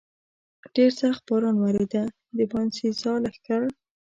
ډېر سخت باران ورېده، د باینسېزا لښکر.